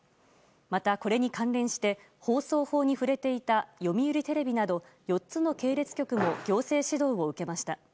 また、これに関連して放送法に触れていた読売テレビなど４つの系列局も行政指導を受けました。